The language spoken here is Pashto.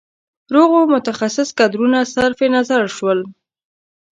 روغو متخصص کدرونه صرف نظر شول.